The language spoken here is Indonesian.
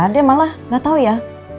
dia malah gak tau ya